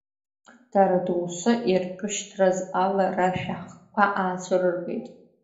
Дара, доусы иртәышьҭраз ала рашәа хкқәа аацәырыргеит.